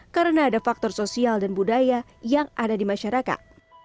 karena ada faktor sosial dan budaya yang ada di masyarakat